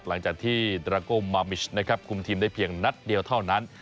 หลังจากที่นะครับคุมทีมได้เพียงนัดเดียวเท่านั้น